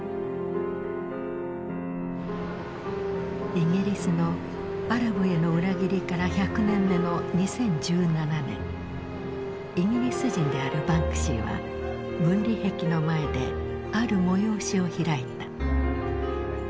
イギリスのアラブへの裏切りから１００年目の２０１７年イギリス人であるバンクシーは分離壁の前である催しを開いた。